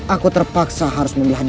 aku terpaksa harus membeladi